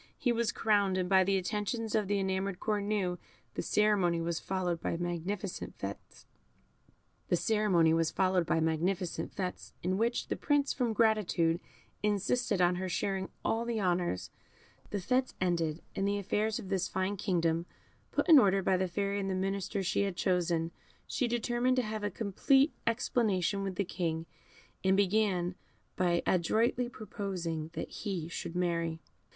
He was crowned, and by the attentions of the enamoured Cornue, the ceremony was followed by magnificent fêtes, in which the Prince, from gratitude, insisted on her sharing all the honours. The fêtes ended, and the affairs of this fine kingdom put in order by the Fairy and the ministers she had chosen, she determined to have a complete explanation with the King, and began by adroitly proposing that he should marry.